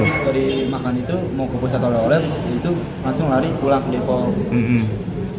ya habis dari makan itu mau ke pusat olahraga langsung lari pulang ke depok